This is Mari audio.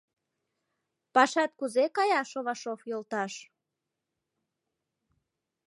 Пашат кузе кая, Шовашов йолташ?